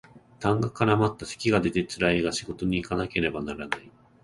痰が絡まった咳が出てつらいが仕事にいかなければならない